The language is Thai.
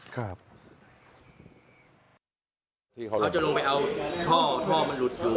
เขาจะลงไปเอาท่อมันหลุดอยู่